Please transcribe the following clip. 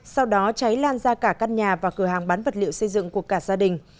sau đó cháy lan ra cả căn nhà và cửa hàng bán vật liệu xây dựng của cả gia đình